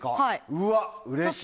うわ、うれしい。